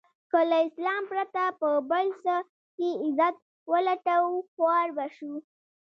که له اسلام پرته په بل څه کې عزت و لټوو خوار به شو.